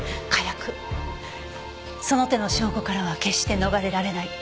その手の証拠からは決して逃れられない。